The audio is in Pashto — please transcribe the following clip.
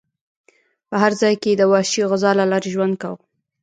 خو هر ځای کې یې د وحشي غذا له لارې ژوند کاوه.